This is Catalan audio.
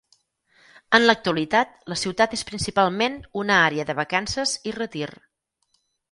En l'actualitat, la ciutat és principalment una àrea de vacances i retir.